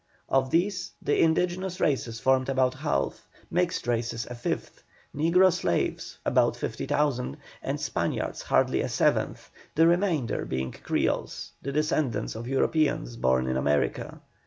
Of these the indigenous races formed about half, mixed races a fifth, negro slaves about fifty thousand, and Spaniards hardly a seventh, the remainder being Creoles, the descendants of Europeans born in America.